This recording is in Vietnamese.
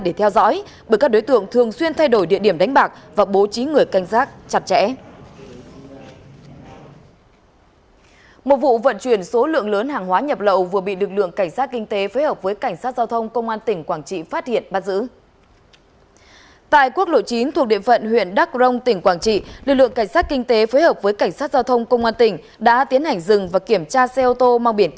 để theo dõi bởi các đối tượng thường xuyên thay đổi địa điểm đánh bạc và bố trí người canh giác chặt chẽ